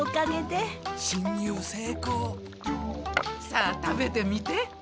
さあ食べてみて。